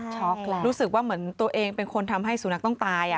รู้สึกว่าเหมือนตัวเองเป็นคนทำให้สุนัขต้องตาย